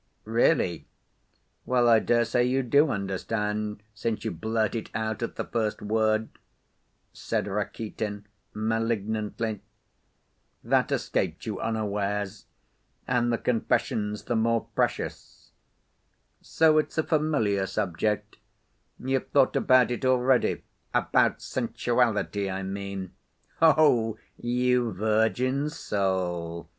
"Really? Well, I dare say you do understand, since you blurt it out at the first word," said Rakitin, malignantly. "That escaped you unawares, and the confession's the more precious. So it's a familiar subject; you've thought about it already, about sensuality, I mean! Oh, you virgin soul!